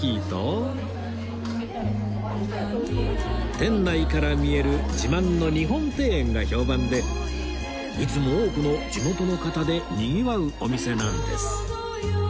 店内から見える自慢の日本庭園が評判でいつも多くの地元の方でにぎわうお店なんです